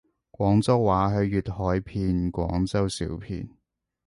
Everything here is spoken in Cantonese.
廣州話係粵海片廣州小片